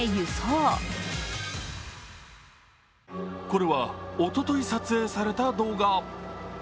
これはおととい撮影された動画。